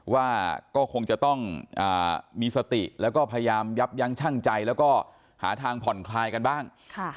ว่าก็คงจะต้องมีสติแล้วก็พยายามยับยั้งชั่งใจแล้วก็หาทางผ่อนคลายกันบ้าง